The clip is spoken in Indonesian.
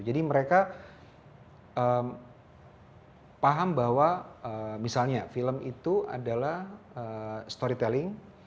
jadi mereka paham bahwa misalnya film itu adalah story telling